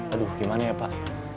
aduh gimana ya pak